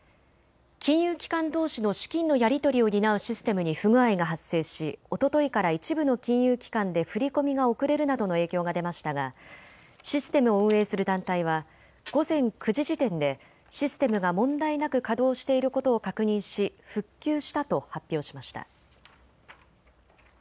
金融機関どうしの資金のやり取りを担うシステムに不具合が発生しおとといから一部の金融機関で振り込みが遅れるなどの影響が出ましたがシステムを運営する団体は午前９時時点でシステムが問題なく稼働していることを確認し、復旧したと発表しました。